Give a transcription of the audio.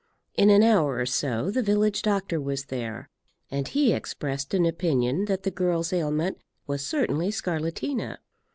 In an hour or so the village doctor was there, and he expressed an opinion that the girl's ailment was certainly scarlatina.